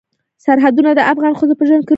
سرحدونه د افغان ښځو په ژوند کې رول لري.